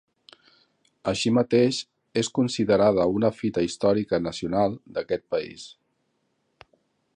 Així mateix, és considerada un Fita Històrica Nacional d'aquest país.